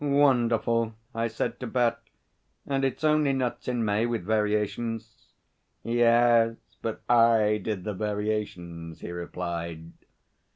'Wonderful,' I said to Bat. 'And it's only "Nuts in May," with variations.' 'Yes but I did the variations,' he replied.